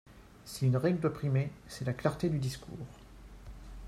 Si une règle doit primer, c’est la clarté du discours.